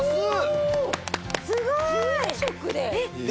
すごい！１２食で！？